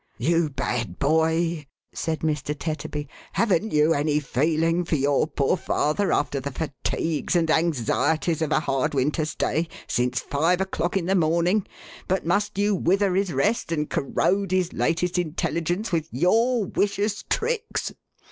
" You bad boy !" said Mr. Tetterby, " haven't you any feeling for your poor father after the fatigues and anxieties of a hard winter's day, since five o'clock in the morning, but must you wither his rest, and corrode his latest intelligence, with your wicious tricks